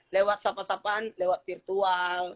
lewat sopan salaman lewat virtual